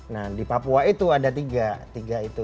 nah di papua itu ada tiga tiga itu